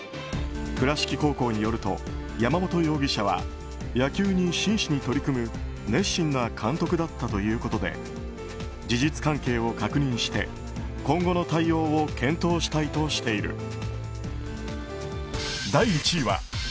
倉敷高校によると、山本容疑者は野球に真摯に取り組む熱心な監督だったということで事実関係を確認して今後の対応を検討したいとしている。